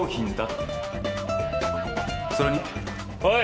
それにおい！